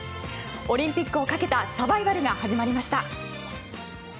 オリンピックをかけたサバイバルが始まりました。